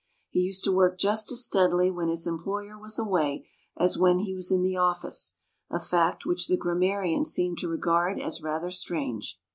"He used to work just as steadily when his employer was away as when he was in the office," a fact which the grammarian seemed to regard as rather strange.